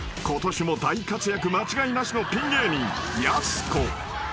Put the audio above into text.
［ことしも大活躍間違いなしのピン芸人］